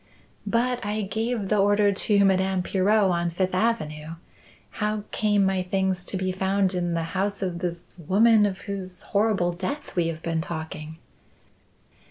"But I gave the order to Madame Pirot on Fifth Avenue. How came my things to be found in the house of this woman of whose horrible death we have been talking?"